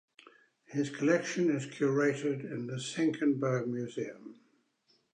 His collection is curated in Senckenberg Museum.